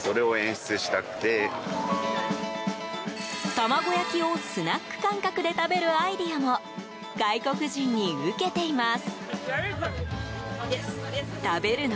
卵焼きをスナック感覚で食べるアイデアも外国人に受けています。